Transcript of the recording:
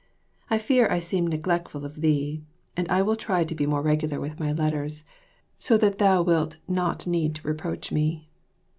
I fear I seem neglectful of thee, and I will try to be more regular with my letters, so that thou wilt not need reproach me.